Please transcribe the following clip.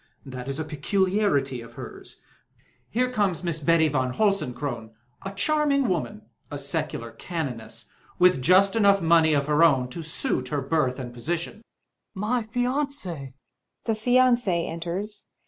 That is a peculiarity of hers Here comes Miss Betty von Holstein Kron — a charming woman — a Secular Canoness, with just enough money of her own to suit her birth and position Hummel. [To himself] My fianc^! The Fiancee enters.